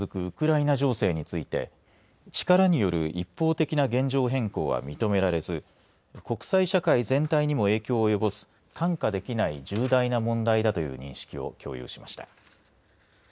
ウクライナ情勢について力による一方的な現状変更は認められず国際社会全体にも影響を及ぼす看過できない重大な問題だという認識を共有しました。